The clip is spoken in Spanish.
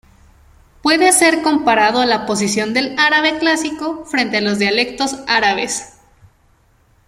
Puede ser comparado a la posición del árabe clásico frente a los dialectos árabes.